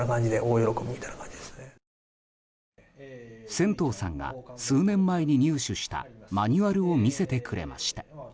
仙頭さんが数年前に入手したマニュアルを見せてくれました。